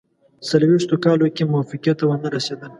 څلوېښتو کالو کې موافقې ته ونه رسېدل.